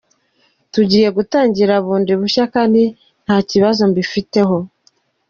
Tugiye gutangira bundi bushya kandi nta kibazo mbifiteho.